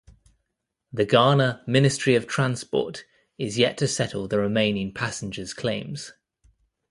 The Ghana Ministry of Transport is yet to settle the remaining passengers' claims.